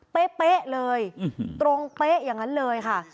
เป๊ะเลยตรงเป๊ะอย่างนั้นเลยค่ะ